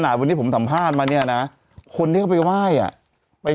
วันนี้ผมสัมภาษณ์มาเนี่ยนะคนที่เขาไปไหว้อ่ะไป